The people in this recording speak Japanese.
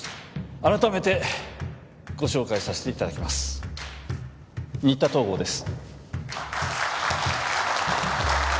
改めてご紹介させていただきます新田東郷です